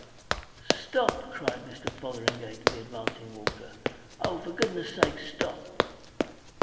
"Stop!" cried Mr. Fotheringay to the advancing water. "Oh, for goodness' sake, stop!